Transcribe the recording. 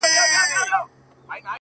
ځمه گريوان پر سمندر باندي څيرم-